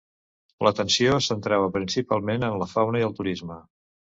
L'atenció es centrava principalment en la fauna i el turisme.